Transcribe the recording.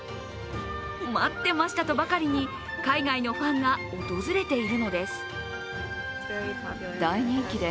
待ってましたとばかりに海外のファンが訪れているのです。